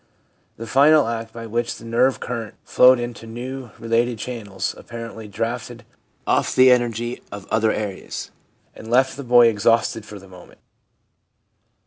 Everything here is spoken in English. The final act by which the nerve currents flowed into new, related channels apparently drafted off the energy of other areas, and left the boy exhausted for the moment.